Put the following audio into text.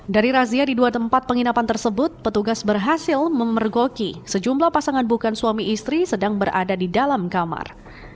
dari razia di dua tempat penginapan tersebut petugas berhasil memergoki sejumlah pasangan bukan suami istri sedang berada di dalam kamar